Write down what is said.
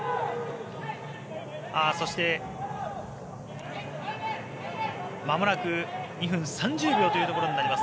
そして、まもなく２分３０秒というところになります。